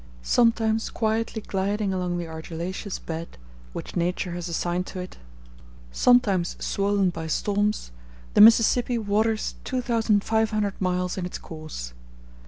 Sometimes quietly gliding along the argillaceous bed which nature has assigned to it, sometimes swollen by storms, the Mississippi waters 2,500 miles in its course.